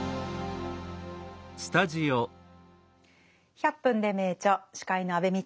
「１００分ｄｅ名著」司会の安部みちこです。